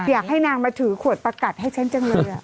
อยากให้นางมาถือขวดประกัดให้ฉันจังเลย